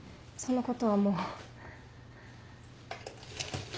そのことはもう。